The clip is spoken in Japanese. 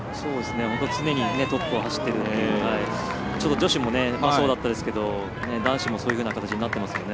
常にトップを走っているという女子もそうだったですけど男子もそういうふうな形になっていますね。